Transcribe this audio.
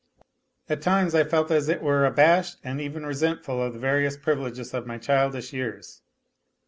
At times I felt as it were abashed, and even resentful of the various privileges of my childish years.